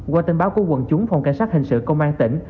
qua tình báo của quận chúng phòng cảnh sát hành sự công an tỉnh